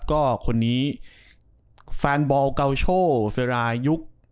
ก็คนนี้แฟนบอลเกาโชเซรายุก